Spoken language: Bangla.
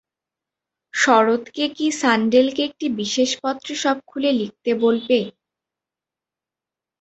শরৎকে কি সাণ্ডেলকে একটি বিশেষ পত্রে সব খুলে লিখতে বলবে।